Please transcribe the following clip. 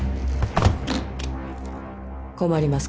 困ります